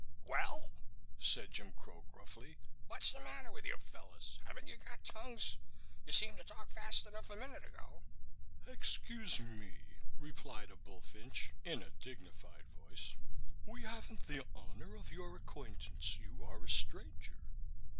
"Well," said Jim Crow, gruffly, "what's the matter with you fellows? Haven't you got tongues? You seemed to talk fast enough a minute ago." "Excuse me," replied a bullfinch, in a dignified voice; "we haven't the honor of your acquaintance. You are a stranger."